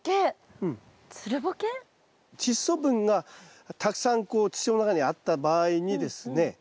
チッ素分がたくさんこう土の中にあった場合にですね